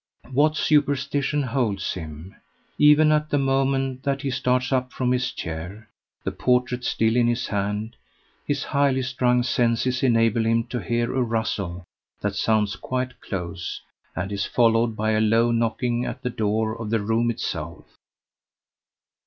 What superstition holds him? Even at the moment that he starts up from his chair, the portrait still in his hand, his highly strung senses enable him to hear a rustle that sounds quite close, and is followed by a low knocking at the door of the room itself.